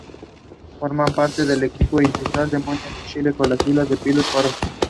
Afterwards she worked successfully in Berlin.